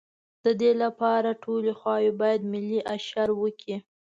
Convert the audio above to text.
د دې لپاره ټولې خواوې باید ملي اشر وکړي.